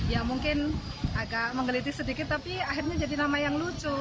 ya mungkin agak menggeliti sedikit tapi akhirnya jadi nama yang lucu